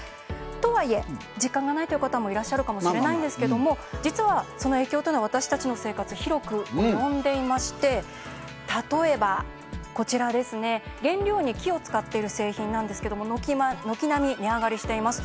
とはいえ実感がないという方もいらっしゃるかもしれないんですが私たちの生活広く及んでいまして例えば、原料に木を使っている製品なんですが軒並み値上がりしています。